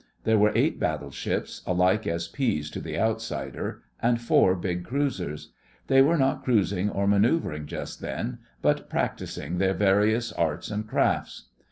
There were eight battleships alike as peas to the outsider; and four big cruisers. They were not cruising or manœuvring just then; but practising their various arts and crafts.